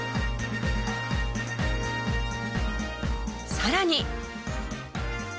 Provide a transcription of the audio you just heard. さらに。